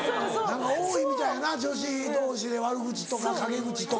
何か多いみたいやな女子同士で悪口とか陰口とか。